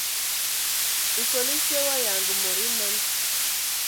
Nsol esye wa yanga mod emen.